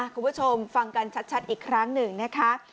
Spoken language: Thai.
คุณผู้ชมฟังกันชัดอีกครั้งหนึ่งนะคะ